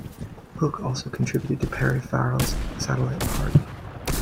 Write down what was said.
Hook also contributed to Perry Farrell's Satellite Party.